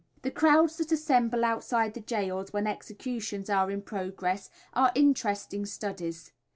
The crowds that assemble outside the gaols when executions are in progress, are interesting studies.